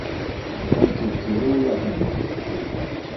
Бәлки, кире уйларһығыҙ.